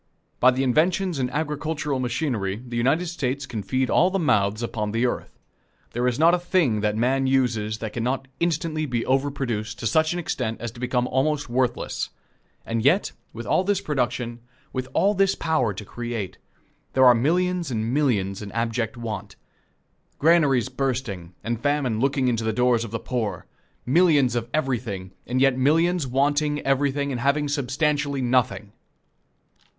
By the inventions in agricultural machinery the United States can feed all the mouths upon the earth. There is not a thing that man uses that can not instantly be over produced to such an extent as to become almost worthless; and yet, with all this production, with all this power to create, there are millions and millions in abject want. Granaries bursting, and famine looking into the doors of the poor! Millions of everything, and yet millions wanting everything and having substantially nothing!